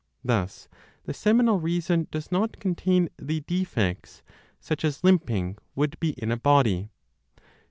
Thus the seminal reason does not contain the defects, such as limping would be in a body.